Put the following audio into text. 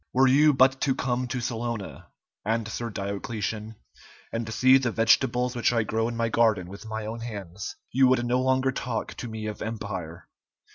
"Were you but to come to Salona," answered Diocletian, "and see the vegetables which I grow in my garden with my own hands, you would no longer talk to me of empire."